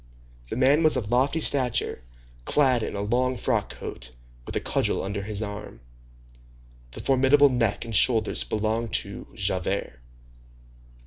The man was of lofty stature, clad in a long frock coat, with a cudgel under his arm. The formidable neck and shoulders belonged to Javert.